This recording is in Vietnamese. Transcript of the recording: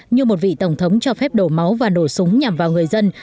như một vị tổng thống cho phép đổ máu và nổ súng nhằm vào người dân